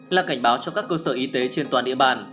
là cảnh báo cho các cơ sở y tế trên toàn địa bàn